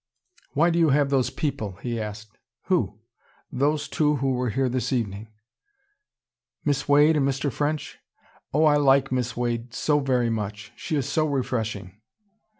"Why do you have those people?" he asked. "Who?" "Those two who were here this evening." "Miss Wade and Mr. French? Oh, I like Miss Wade so very much. She is so refreshing."